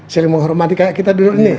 selalu menghormati kayak kita dulu ini